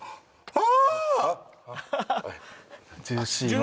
あ